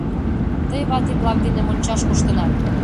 — Тый вате-влак дене мончаш коштынат!